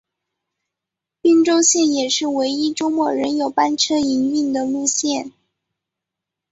宾州线也是唯一周末仍有班车营运的路线。